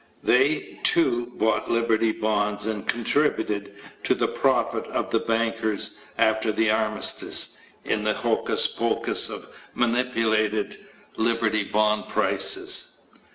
They, too, bought Liberty Bonds and contributed to the profit of the bankers after the Armistice in the hocus pocus of manipulated Liberty Bond prices.